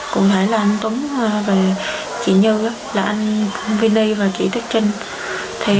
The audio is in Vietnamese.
cũng thể là anh tống và chị như là anh vini và chị thích trinh